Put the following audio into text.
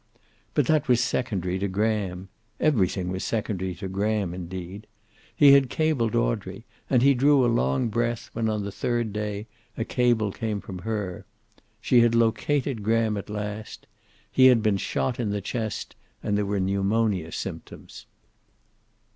But that was secondary to Graham. Everything was secondary to Graham, indeed. He had cabled Audrey, and he drew a long breath when, on the third day, a cable came from her. She had located Graham at last. He had been shot in the chest, and there were pneumonia symptoms.